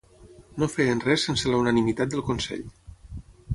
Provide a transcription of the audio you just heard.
No feien res sense la unanimitat del consell.